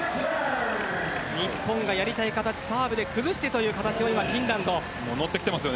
日本がやりたい形サーブで崩してという形をフィンランド。